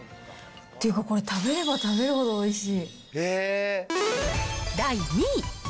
っていうか、これ、食べれば食べるほどおいしい！